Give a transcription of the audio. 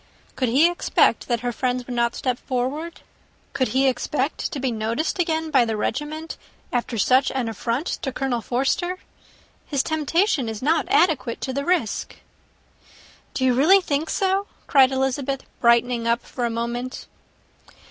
Could he expect that her friends would not step forward? Could he expect to be noticed again by the regiment, after such an affront to Colonel Forster? His temptation is not adequate to the risk." "Do you really think so?" cried Elizabeth, brightening up for a moment.